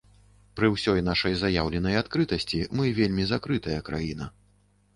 Пры ўсёй нашай заяўленай адкрытасці мы вельмі закрытая краіна.